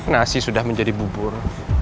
nasi sudah menjadi bubur